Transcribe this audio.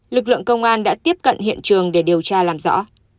lực lượng công an đã tiếp cận hiện trường để điều tra làm rõ